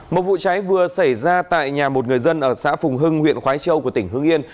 một vụ cháy vừa xảy ra tại nhà một người dân ở xã phùng hưng huyện khói châu của tỉnh hưng yên